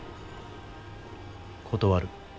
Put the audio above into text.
断る。